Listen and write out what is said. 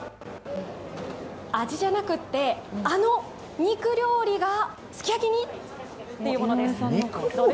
味じゃなくてあの肉料理がすき焼きに！？という感じです。